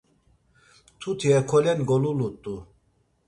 Mtuti hekolen golulut̆u.